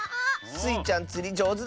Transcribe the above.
スイちゃんつりじょうずだもんね。